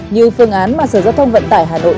như phương án mà sở giao thông vận tải hà nội